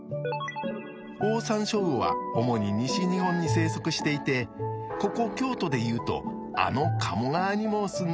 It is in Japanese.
オオサンショウウオは主に西日本に生息していてここ京都で言うとあの鴨川にも住んでいるんですよ。